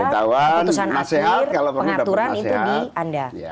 pemberitahuan nasihat kalau pengaturan itu di anda